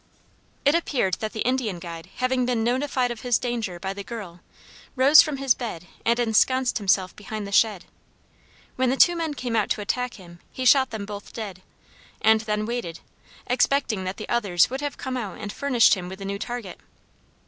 It appeared that the Indian guide, having been notified of his danger by the girl, rose from his bed and ensconced himself behind the shed. When the two men came out to attack him, he shot them both dead, and then waited, expecting that the others would have come out and furnished him with a new target.